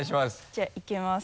じゃあいきます。